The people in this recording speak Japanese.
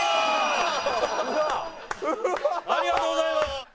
ありがとうございます。